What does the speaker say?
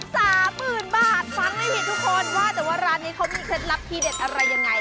ฟังให้ผิดทุกคนว่าแต่ว่าร้านนี้เขามีเคล็ดลับที่เด็ดอะไรยังไง